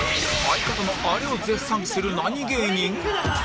相方のあれを絶賛する何芸人？